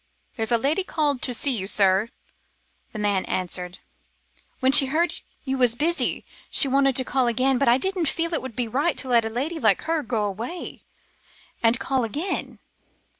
"There's a lady called to see you, sir," the man answered. "When she heard you was busy, she wanted to call again, but I didn't feel it would be right to let a lady like her go away, and call again."